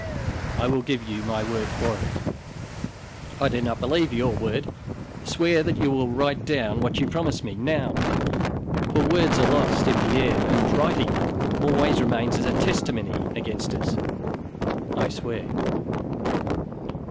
I will give you my word for it." "I do not believe your word. Swear that you will write down what you promise me, now, for words are lost in the air, and writing always remains as a testimony against us." "I swear!"